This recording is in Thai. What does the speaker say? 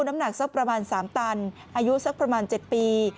น้ำหนักสักประมาณ๓ตันอายุสักประมาณ๗ปี